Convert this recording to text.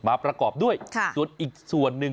ประกอบด้วยส่วนอีกส่วนหนึ่ง